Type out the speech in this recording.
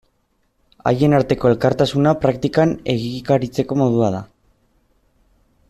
Haien arteko elkartasuna praktikan egikaritzeko modua da.